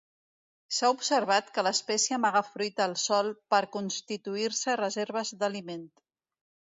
S'ha observat que l'espècie amaga fruita al sòl per constituir-se reserves d'aliment.